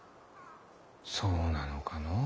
そうなのかのぅ。